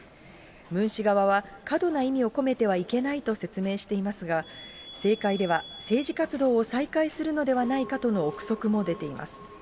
ムン氏側は、過度な意味を込めてはいけないと説明していますが、政界では政治活動を再開するのではないかとの臆測も出ています。